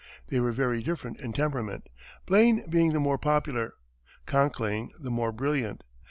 They were very different in temperament, Blaine being the more popular, Conkling the more brilliant.